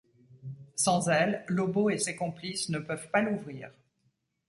Sans elles, Lobo et ses complices ne peuvent pas l'ouvrir.